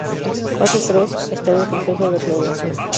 Fase tres esta en el proceso de planeación.